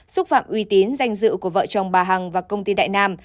xúc phạm uy tín danh dự của vợ chồng bà hằng và công ty đại nam